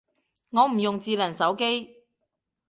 我唔用智能手機